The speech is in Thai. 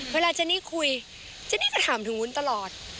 เจนี่คุยเจนี่ก็ถามถึงวุ้นตลอด